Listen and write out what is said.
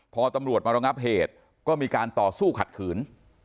พอตำรวจมาระงับเหตุก็มีการต่อสู้ขัดขืน